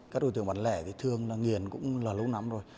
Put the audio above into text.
các đối tượng bán lẻ thì thường là nghiền cũng là lâu lắm rồi